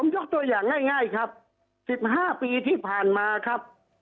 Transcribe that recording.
ยกตัวอย่างง่ายครับ๑๕ปีที่ผ่านมาครับ